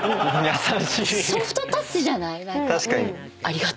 ソフトタッチじゃない？